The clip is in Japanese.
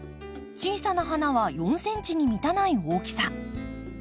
小さな花は４ｃｍに満たない大きさ。